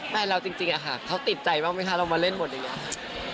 แฟนเราจริงอะค่ะเขาติดใจบ้างไหมคะเรามาเล่นบทอย่างนี้